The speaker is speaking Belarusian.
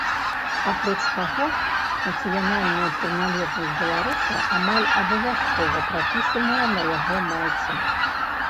Апроч таго, нацыянальная прыналежнасць беларуса амаль абавязкова прапісаная на яго майцы.